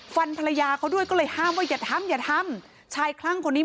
ฟันภรรยาเขาด้วยก็เลยห้ามว่าอย่าทำชายคลั่งคนนี้